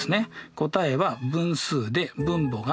答えは分数で２問目が